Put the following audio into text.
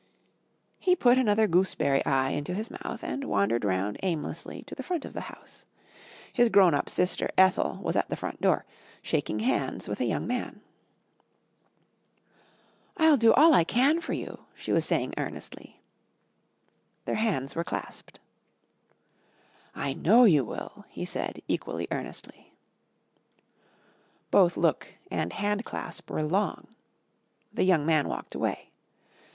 He put another Gooseberry Eye into his mouth and wandered round aimlessly to the front of the house. His grown up sister, Ethel, was at the front door, shaking hands with a young man. "I'll do all I can for you," she was saying earnestly. Their hands were clasped. "I know you will," he said equally earnestly. Both look and handclasp were long. The young man walked away.